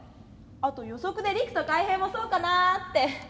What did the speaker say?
あと予測でリクとカイヘイもそうかなって。